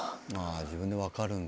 自分で分かるんだ。